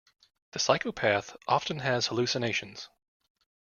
The psychopath often has hallucinations.